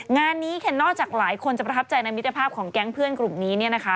งานนี้เคนนอกจากหลายคนจะประทับใจในมิตรภาพของแก๊งเพื่อนกลุ่มนี้เนี่ยนะคะ